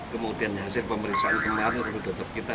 kemudian hasil pemeriksaan kemarin atau dokter kita